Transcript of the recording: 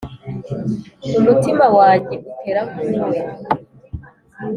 umutima wanjye utera nk` uwe